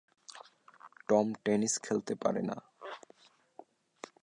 Tom tennis খেলতে পারে না।